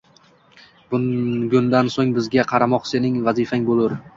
Bugundan so'ng bizga qaramoq sening vazifang bo'lur.